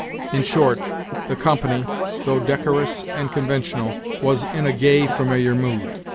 In short, the company, though decorous and conventional, was in a gay, familiar mood.